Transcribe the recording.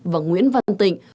và nguyễn văn tịnh